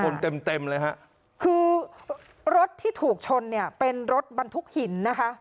เต็มเต็มเลยฮะคือรถที่ถูกชนเนี่ยเป็นรถบรรทุกหินนะคะ